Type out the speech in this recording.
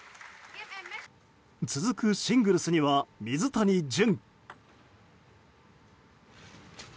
続くシングルスには水谷隼。